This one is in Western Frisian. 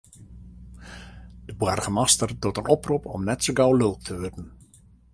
De boargemaster docht in oprop om net sa gau lulk te wurden.